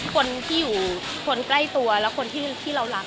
คนใกล้ตัวและคนที่เรารัก